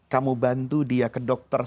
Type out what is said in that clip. kamu bantu dia ke dokter